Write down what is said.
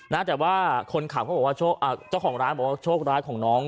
นะแต่ว่าคนขับเขาบอกว่าโชคอ่าเจ้าของร้านบอกว่าโชคร้ายของน้อง